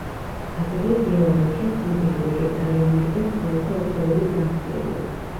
ასევე დე ლა როჩა ცნობილი ვეგეტერიანელი და ცხოველთა უფლებების დამცველია.